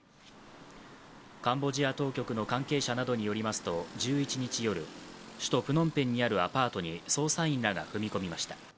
カンボジア当局の関係者などによりますと１１日夜、首都プノンペンにあるアパートに捜査員らが踏み込みました。